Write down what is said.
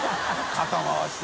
肩回して。